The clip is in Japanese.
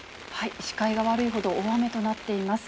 視界が悪いほど大雨となっています。